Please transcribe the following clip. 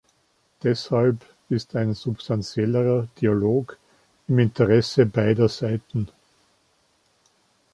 Deshalb ist ein substanziellerer Dialog im Interesse beider Seiten.